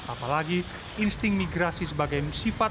apalagi insting migrasi sebagai sifat alami penyelamat